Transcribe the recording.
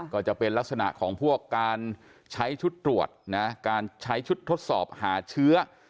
ก็จะเป็นลักษณะของพวกการใช้ชุดตรวจนะการใช้ชุดทดสอบหาเชื้อ